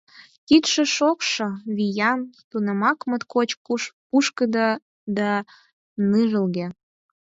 Кидше шокшо, виян, тунамак моткоч пушкыдо да ныжылге.